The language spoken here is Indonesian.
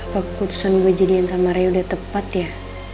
apa keputusan gue jadian sama rey udah tepat ya